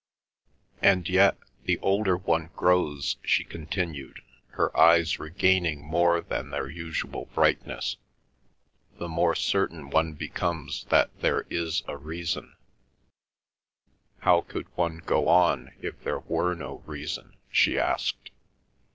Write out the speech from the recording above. "And yet the older one grows," she continued, her eyes regaining more than their usual brightness, "the more certain one becomes that there is a reason. How could one go on if there were no reason?" she asked.